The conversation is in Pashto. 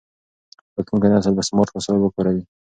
راتلونکی نسل به سمارټ وسایل کاروي.